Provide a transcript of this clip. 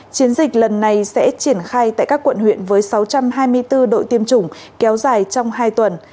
chiến dịch lần này sẽ triển khai tại các quận huyện với sáu trăm hai mươi bốn đội tiêm chủng kéo dài trong hai tuần